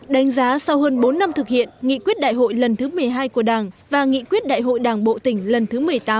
đánh giá sau hơn bốn năm thực hiện nghị quyết đại hội lần thứ một mươi hai của đảng và nghị quyết đại hội đảng bộ tỉnh lần thứ một mươi tám